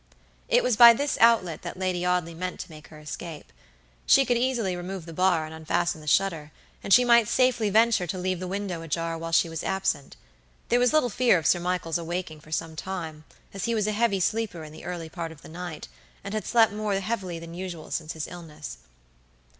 It was by this outlet that Lady Audley meant to make her escape. She could easily remove the bar and unfasten the shutter, and she might safely venture to leave the window ajar while she was absent. There was little fear of Sir Michael's awaking for some time, as he was a heavy sleeper in the early part of the night, and had slept more heavily than usual since his illness.